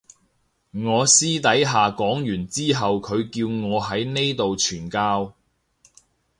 我私底下講完之後佢叫我喺呢度傳教